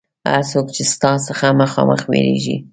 هر څوک چې ستا څخه مخامخ وېرېږي.